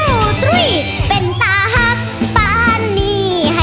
โอ้เอวมาเอวมา